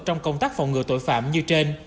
trong công tác phòng ngừa tội phạm như trên